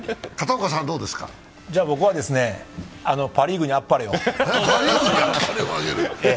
じゃあ、僕はパ・リーグにあっぱれを。